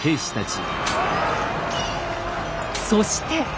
そして。